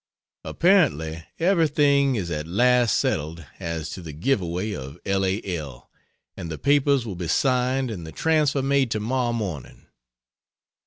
Apparently everything is at last settled as to the giveaway of L. A. L., and the papers will be signed and the transfer made to morrow morning.